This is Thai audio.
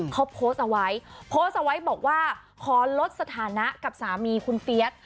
เขาโพสต์เอาไว้โพสต์เอาไว้บอกว่าขอลดสถานะกับสามีคุณเฟียส